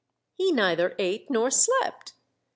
He nei ther ate nor slept.